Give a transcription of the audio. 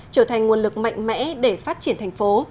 trở thành nguồn lực mạnh mẽ để phát triển thành phố